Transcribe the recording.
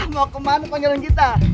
ngo kemannu panjarin kita